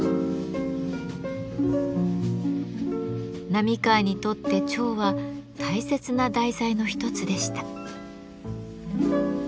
並河にとって蝶は大切な題材の一つでした。